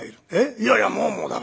いやいやもうもう駄目